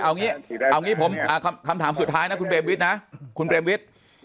เอางี้ผมคำถามสุดท้ายนะคุณเปรมวิทย์นะคุณเปรมวิทย์